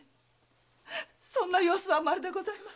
そんな様子はまるでございませんでした。